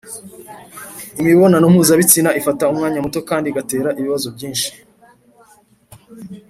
imibonano mpuzabitsina ifata umwanya muto kandi igatera ibibazo byinshi